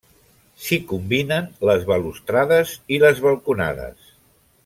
S'hi combinen les balustrades i les balconades.